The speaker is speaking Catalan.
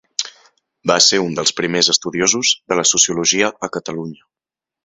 Va ser un dels primers estudiosos de la sociologia a Catalunya.